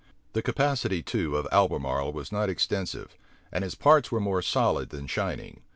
The capacity, too, of Albemarle was not extensive, and his parts were more solid than shining.